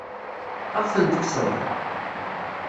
Ad aɣ-tent-tekkseḍ?